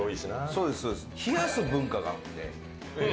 冷やす文化があって。